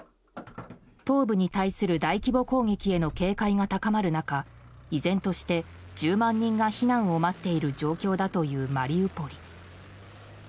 東部に対する大規模攻撃への警戒が高まる中依然として１０万人が避難を待っている状況だというマリウポリ。